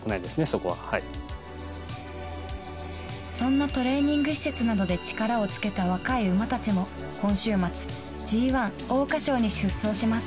そこははいそんなトレーニング施設などで力をつけた若い馬たちも今週末ＧⅠ「桜花賞」に出走します